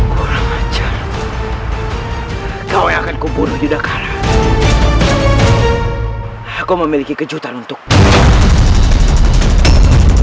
kau yang akan kubunuh yudhakrat aku memiliki kejutan untukmu